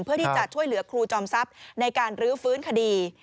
เพื่อที่จะช่วยเหลือครูจอมทรัพย์ในการรื้อฟื้นคดี